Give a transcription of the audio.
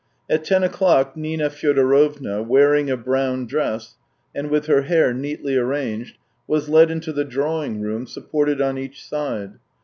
At ten o'clock Nina Fyodorovna, wear ing a brown dress and with her hair neatly arranged, was led into the drawing room, supported on each side.